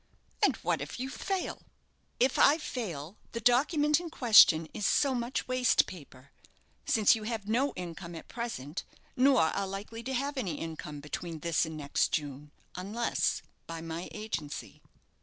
"And what if you fail?" "If I fail, the document in question is so much waste paper, since you have no income at present, nor are likely to have any income between this and next June, unless by my agency."